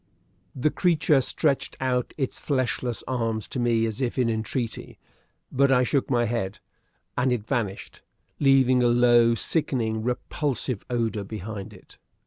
The creature stretched out its fleshless arms to me as if in entreaty, but I shook my head; and it vanished, leaving a low, sickening, repulsive odor behind it.